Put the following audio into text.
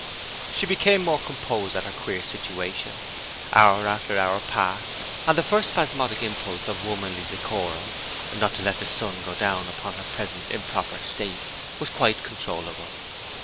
She became more composed at her queer situation: hour after hour passed, and the first spasmodic impulse of womanly decorum not to let the sun go down upon her present improper state was quite controllable.